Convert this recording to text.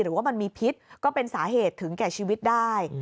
หรือว่ามันมีพิษก็เป็นสาเหตุถึงแก่ชีวิตได้